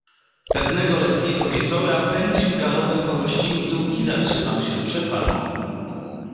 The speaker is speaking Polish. "Pewnego letniego wieczora pędził galopem po gościńcu i zatrzymał się przed farmą."